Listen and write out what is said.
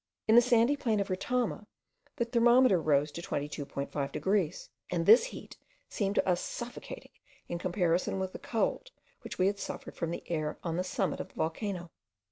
In the sandy plain of Retama, the thermometer rose to 22.5 degrees; and this heat seemed to us suffocating in comparison with the cold, which we had suffered from the air on the summit of the volcano.